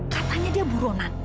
katanya dia buronan